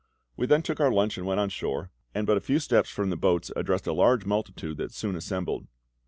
We then took our lunch and went on shore, and but a few steps from the boats addressed a large multitude that soon assembled.